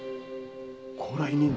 高麗人参？